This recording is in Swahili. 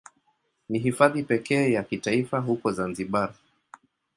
Ni Hifadhi pekee ya kitaifa huko Zanzibar.